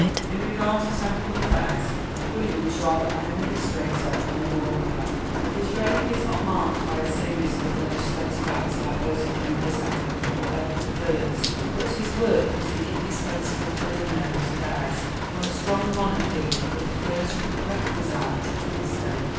In regard to temporal affairs William was rather an administrator than a lawgiver. His reign is not marked by a series of legislative acts like those of Henry II. or Edward I.; but his work was the indispensable preliminary to theirs, for a strong monarchy was the first requisite of the state.